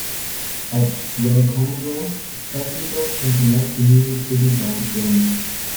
At Ronkonkoma, passengers can connect to New York City bound trains.